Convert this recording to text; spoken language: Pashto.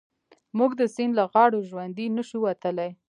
موږ د سيند له غاړو ژوندي نه شو وتلای.